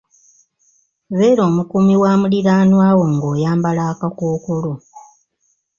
Beera omukuumi wa muliraanwa wo ng'oyambala akakookolo.